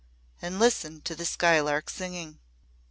And listen to the skylark singing!"